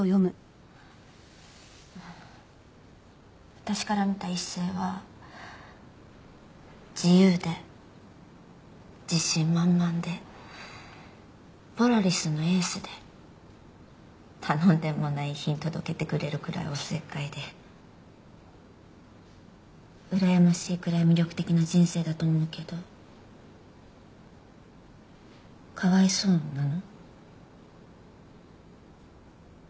私から見た一星は自由で自信満々でポラリスのエースで頼んでもない遺品届けてくれるくらいお節介でうらやましいくらい魅力的な人生だと思うけどかわいそうなの？